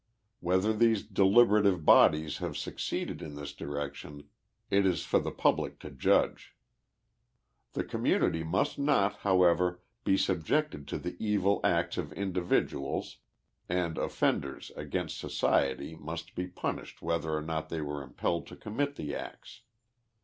— Whether these deliberative bodies have succeeded in this direction it is for the public to judge. The community must not, however, be subjected to the evil acts of individuals, and ofteiulors against society must be punished whether or not they were impelled to commit the acts.